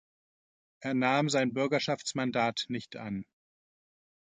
Er nahm sein Bürgerschaftsmandat nicht an.